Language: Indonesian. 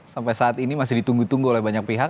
sampai saat ini masih ditunggu tunggu oleh banyak pihak